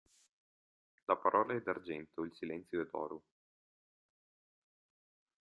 La parola è d'argento, il silenzio è d'oro.